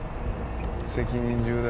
責任重大。